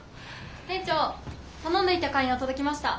店長頼んどいた観葉届きました。